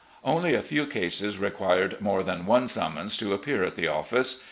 Only a few cases required more than one summons to appear at the office.